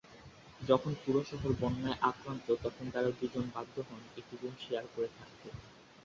যখন পুরো শহর বন্যায় আক্রান্ত তখন তারা দুজন বাধ্য হন একটি রুম শেয়ার করে থাকতে।